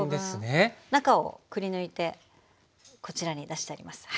中をくり抜いてこちらに出してあります。